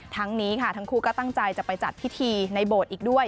ทั้งนี้ค่ะทั้งคู่ก็ตั้งใจจะไปจัดพิธีในโบสถ์อีกด้วย